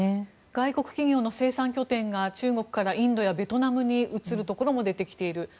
外国企業の生産拠点が中国からインドやベトナムに移るところも出てきている。